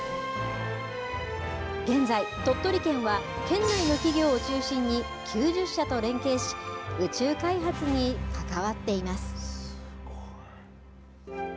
現在鳥取県は県内の企業を中心に９０社と連携し宇宙開発に関わっています。